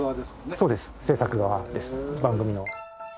そうです制作側です番組の。